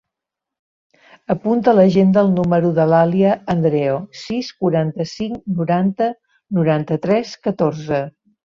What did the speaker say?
Apunta a l'agenda el número de l'Alia Andreo: sis, quaranta-cinc, noranta, noranta-tres, catorze.